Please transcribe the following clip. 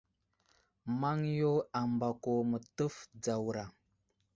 Maŋ yo ambako mətəf dzawra.